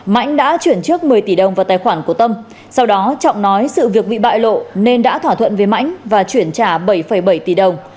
mãnh đã chuyển trước một mươi tỷ đồng vào tài khoản của tâm sau đó trọng nói sự việc bị bại lộ nên đã thỏa thuận với mãnh và chuyển trả bảy bảy tỷ đồng